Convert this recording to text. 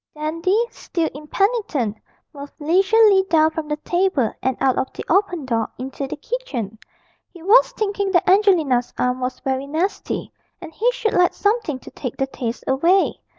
Dandy, still impenitent, moved leisurely down from the table and out of the open door into the kitchen. He was thinking that Angelina's arm was very nasty, and he should like something to take the taste away.